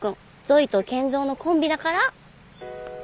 ゾイと健三のコンビだから。